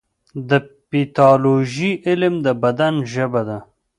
د پیتالوژي علم د بدن ژبه ده.